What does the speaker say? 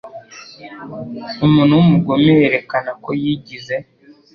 Umuntu w’umugome yerekana ko yigize